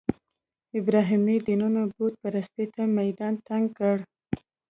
ابراهیمي دینونو بوت پرستۍ ته میدان تنګ کړی.